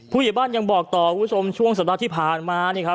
ผู้เหยียบ้านยังบอกต่อวุฒิสมช่วงสัปดาห์ที่ผ่านมา